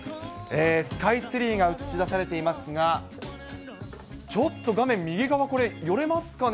スカイツリーが映し出されていますが、ちょっと画面右側、寄れますかね。